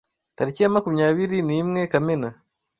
Tariki ya makumyabiri nimwe Kamena: